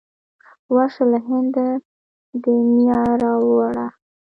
ورشه له هنده د نیا را وړه.